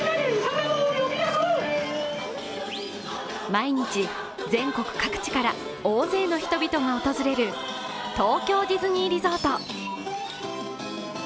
毎日、全国各地から大勢の人々が訪れる東京ディズニーリゾート。